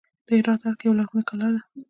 د هرات ارګ یوه لرغونې کلا ده